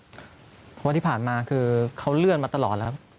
เพราะว่าที่ผ่านมาคือเขาเลื่อนมาตลอดแล้ว